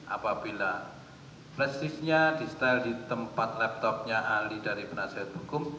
apabila flash shiftnya di style di tempat laptopnya ahli dari penasihat hukum